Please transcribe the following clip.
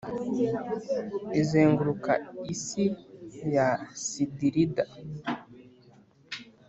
izenguruka isi ya sidirida